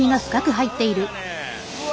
うわ！